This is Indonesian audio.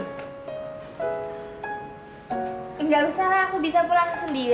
enggak usah lah aku bisa pulang sendiri